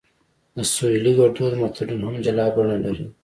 د سویلي ګړدود متلونه هم جلا بڼه لري